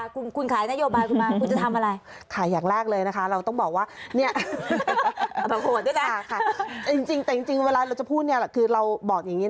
คุณขายนโยบายคุณมาคุณจะทำอะไร